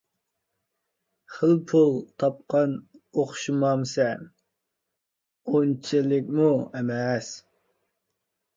— خېلى پۇل تاپقان ئوخشىمامسەن؟ — ئۇنچىلىكمۇ ئەمەس.